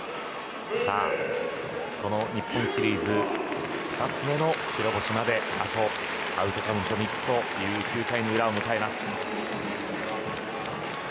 さあ、この日本シリーズ２つ目の白星まであとアウトカウント３つという９回の裏を迎えます。